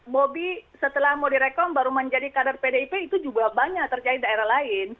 bobi setelah mau direkom baru menjadi kader pdip itu juga banyak terjadi daerah lain